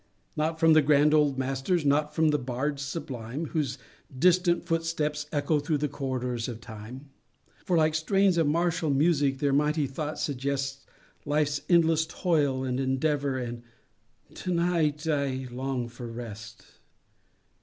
Not from the grand old masters, Not from the bards sublime, Whose distant footsteps echo Through the corridors of Time. For, like strains of martial music, Their mighty thoughts suggest Life's endless toil and endeavor; And to night I long for rest.